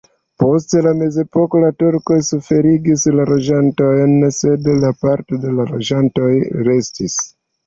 Post la mezepoko la turkoj suferigis la loĝantojn, sed parto de la loĝantoj restis.